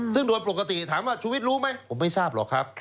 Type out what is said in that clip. ซึ่งโดยปกติถามว่าชุวิตรู้ไหมผมไม่ทราบหรอกครับ